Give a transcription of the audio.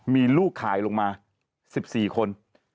มีลูกขายลงมา๑๔คน